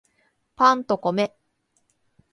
パンと米